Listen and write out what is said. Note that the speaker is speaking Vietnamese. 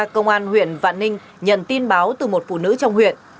công an huyện vạn ninh nhận tin báo từ một phụ nữ trong huyện